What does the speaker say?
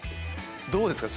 どうですか？